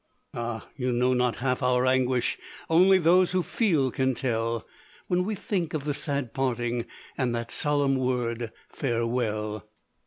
"Ah! you know not half our anguish Only those who feel can tell When we think of the sad parting, And that solemn word farewell.